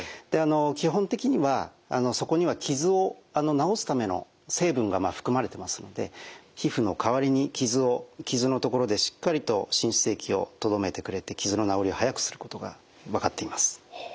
基本的にはそこには傷を治すための成分が含まれてますので皮膚の代わりに傷の所でしっかりと浸出液をとどめてくれて傷の治りを早くすることが分かっています。